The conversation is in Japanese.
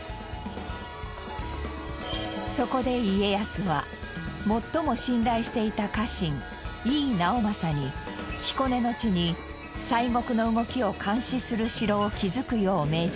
そこで家康は最も信頼していた家臣井伊直政に彦根の地に西国の動きを監視する城を築くよう命じました。